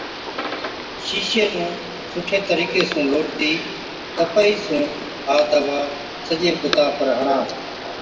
شِيشِي نُون سُٺي طريقي سُون لوڏتِي ڪپهئِي سُون ها دَوا سجي بُتا پر هڻا